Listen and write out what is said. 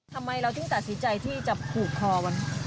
ทำไมเราถึงตัดสินใจที่จะผูกคอมัน